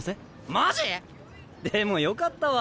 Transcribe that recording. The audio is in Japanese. マジ⁉でもよかったわ。